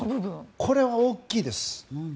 これは大きいです。